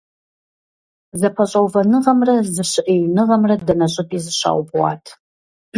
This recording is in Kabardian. ЗэпэщӀэувэныгъэмрэ зэщыӀеиныгъэмрэ дэнэ щӀыпӀи зыщаубгъуат.